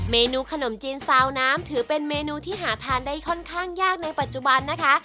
เมนูขนมจีนซาวน้ำถือเป็นเมนูที่หาทานได้ค่อนข้างยากในปัจจุบันนะคะ